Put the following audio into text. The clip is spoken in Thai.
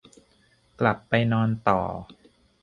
กลับไปนอนต่อ